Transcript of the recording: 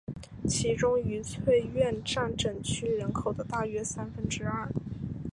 其中愉翠苑占整区人口的大约三分之二。